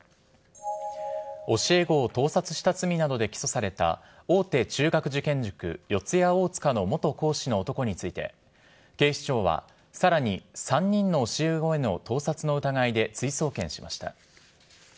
教え子を盗撮した罪などで起訴された、大手中学受験塾、四谷大塚の元講師の男について、警視庁は、さらに３人の教え子への盗撮の疑いで追送検しました。